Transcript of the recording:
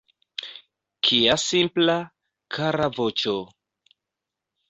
Kia simpla, kara voĉo!